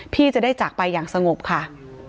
พี่จะได้จากไปอย่างสงบค่ะ